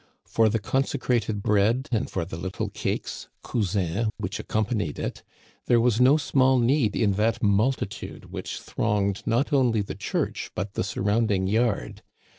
For the consecrated bread and for the little cakes (cousins) which accompanied it there was no small need in that multitude which thronged not only the church, but the surrounding yard.